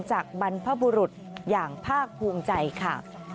บรรพบุรุษอย่างภาคภูมิใจค่ะ